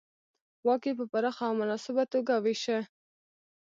واک یې په پراخه او مناسبه توګه وېشه.